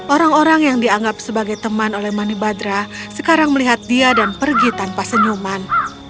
orang orang yang dianggap teman oleh manibhadra sekarang melihat manibhadra dan pergi tanpa senyuman